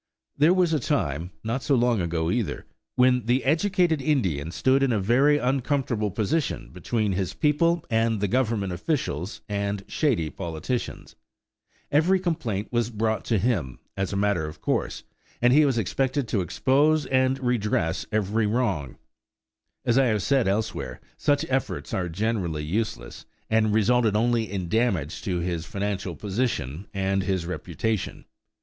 There was a time (not so long ago, either) when the educated Indian stood in a very uncomfortable position between his people and the Government officials and shady politicians. Every complaint was brought to him, as a matter of course; and he was expected to expose and redress every wrong. As I have said elsewhere, such efforts are generally useless, and resulted only in damage to his financial position and his reputation.